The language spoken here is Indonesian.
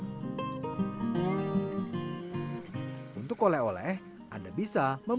sekarang tidak terlalu jelas saya dengan api tembaknya